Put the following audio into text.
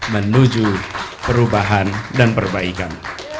menuju perubahan dan perbaikan